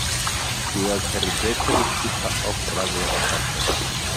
He was Hereditary Keeper of Raglan Castle.